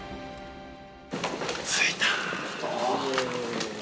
着いた。